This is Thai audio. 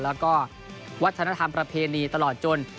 แล้วก็วัฒนธรรมประเพณีตลอดจน